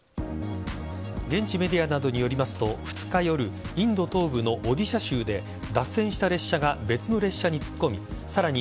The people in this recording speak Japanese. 現地メディアなどによりますと２日夜インド東部のオディシャ州で脱線した列車が別の列車に突っ込みさらに